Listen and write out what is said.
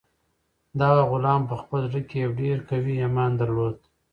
دغه غلام په خپل زړه کې یو ډېر قوي ایمان درلود.